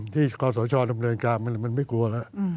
ที่ความสวยชอบดำเนินการมันไม่กลัวแล้ว